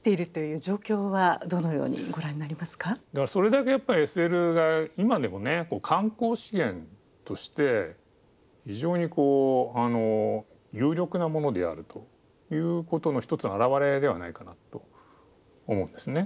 だからそれだけやっぱりＳＬが今でも観光資源として非常に有力なものであるということの一つの表れではないかなと思うんですね。